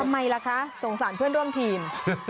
ทำไมล่ะคะสงสารเพื่อนร่วมทีม